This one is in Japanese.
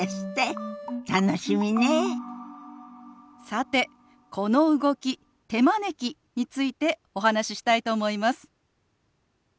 さてこの動き「手招き」についてお話ししたいと思います。